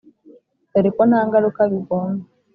Dore ko nta ngaruka bigomba